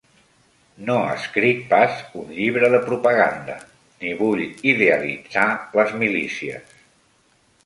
No escric pas un llibre de propaganda ni vull idealitzar les milícies